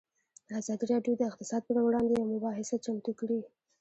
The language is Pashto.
ازادي راډیو د اقتصاد پر وړاندې یوه مباحثه چمتو کړې.